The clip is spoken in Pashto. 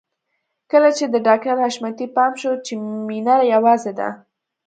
کله چې د ډاکټر حشمتي پام شو چې مينه يوازې ده.